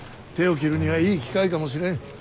手を切るにはいい機会かもしれん。